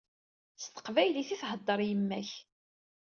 S teqbaylit i theddeṛ yemma-k.